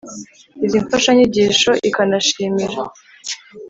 izi mfashanyigisho ikanashimira